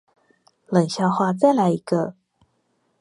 冷笑話再來一個